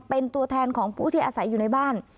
เป็นตัวแทนของผู้ที่อาศัยอยู่ในบ้าน